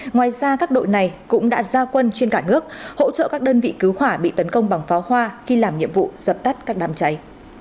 ngoài ra các đội này cũng đã ra quân trên cả nước hỗ trợ các đơn vị cứu hỏa bị tấn công bằng pháo hoa khi làm nhiệm vụ dập tắt các đám cháy